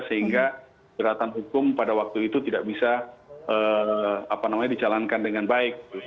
sehingga perhatian hukum pada waktu itu tidak bisa apa namanya dijalankan dengan baik